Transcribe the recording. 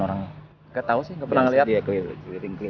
hai ketau sih enggak pernah lihat dia keiling kemana mana ke sana kemari